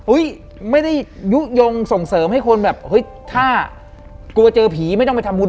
ไม่ได้ยุโยงส่งเสริมให้คนแบบเฮ้ยถ้ากลัวเจอผีไม่ต้องไปทำบุญ